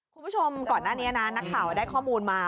คุณผู้ชมก่อนหน้านี้นะนักข่าวได้ข้อมูลมา